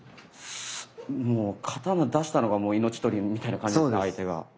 もう刀出したのがもう命取りみたいな感じですね